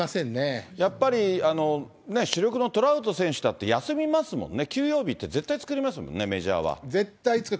やっぱり、主力のトラウト選手とか休みますもんね、休養日って絶対作りますもんね、メジャー絶対作る。